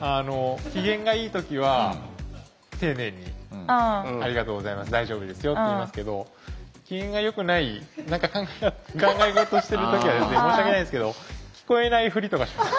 機嫌がいい時は丁寧に「ありがとうございます大丈夫ですよ」って言いますけど機嫌がよくない何か考え事してる時は申し訳ないですけど聞こえないふりとかします。